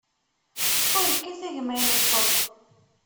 Ur kkat a gma ineṭṭeḍ.